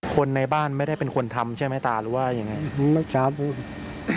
คนในบ้านไม่ได้เป็นคนทำใช่ไหมตาหรือว่าอย่างนี้